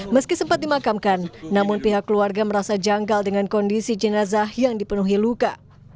meski sempat dimakamkan namun pihak keluarga merasa janggal dengan kondisi jenazah yang dipenuhi luka